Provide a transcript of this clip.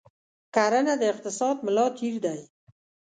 کرنه د اقتصاد ملا تیر دی.